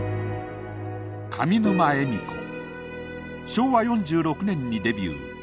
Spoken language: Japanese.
昭和４６年にデビュー。